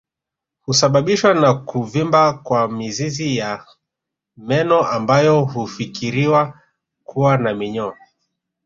Husababishwa na kuvimba kwa mizizi ya meno ambayo hufikiriwa kuwa na minyoo